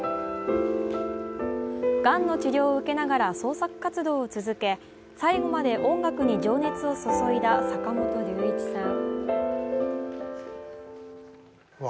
がんの治療を受けながら創作活動を続け、最期まで音楽に情熱を注いだ坂本龍一さん。